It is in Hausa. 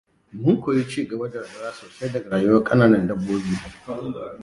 Mun koyi ci gaba da rayuwa sosai daga rayuwar kananan dabbobi.